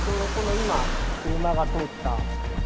今、車が通った。